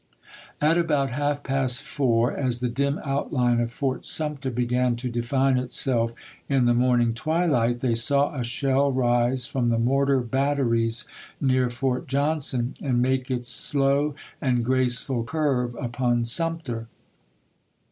At about half past four, I as the dim outline of Fort Sumter began to define itself in the morning twilight, they saw a shell rise from the mortar batteries near Fort Johnson, and make its slow and graceful curve upon Sumter.